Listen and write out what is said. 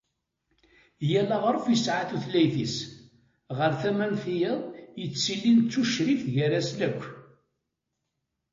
Yal aɣref yesεa tutlayt-is, ɣer tama n tiyaḍ yettilin d tucrikt gar-asen akk.